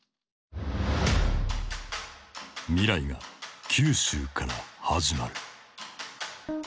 「未来が九州から始まる」。